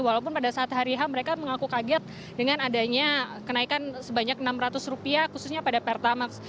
walaupun pada saat hari ham mereka mengaku kaget dengan adanya kenaikan sebanyak rp enam ratus khususnya pada pertamax